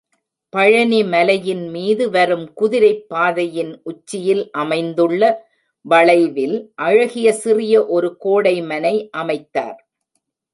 பழனி மலையின்மீது வரும் குதிரைப் பாதையின் உச்சியில் அமைந்துள்ள வளைவில், அழகிய சிறிய ஒரு கோடைமனை அமைத்தார்.